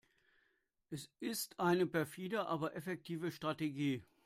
Es ist eine perfide, aber effektive Strategie.